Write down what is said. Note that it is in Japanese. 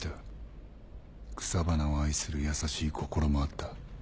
草花を愛する優しい心もあった。